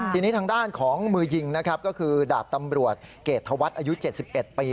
ทีนี้ทางด้านของมือยิงนะครับก็คือดาบตำรวจเกรดธวัฒน์อายุ๗๑ปี